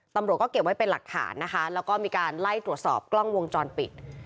ตำรวจก็เก็บไว้เป็นหลักฐานนะคะแล้วก็มีการไล่ตรวจสอบกล้องวงจรปิด